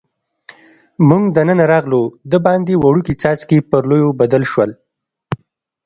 موږ دننه راغلو، دباندې وړوکي څاڅکي پر لویو بدل شول.